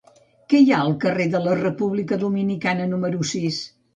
Què hi ha al carrer de la República Dominicana número sis?